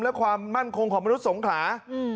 และความมั่นคงของมนุษย์สงขลา